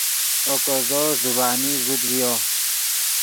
اوکو زو زبانی ݱوت ڤیو